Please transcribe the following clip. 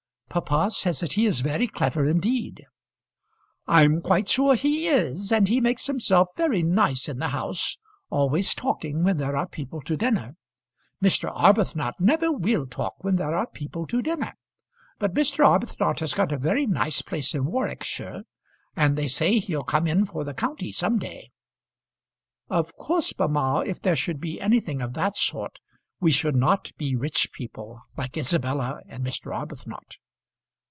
"Papa says that he is very clever indeed." "I'm quite sure he is, and he makes himself very nice in the house, always talking when there are people to dinner. Mr. Arbuthnot never will talk when there are people to dinner. But Mr. Arbuthnot has got a very nice place in Warwickshire, and they say he'll come in for the county some day." "Of course, mamma, if there should be anything of that sort, we should not be rich people, like Isabella and Mr. Arbuthnot."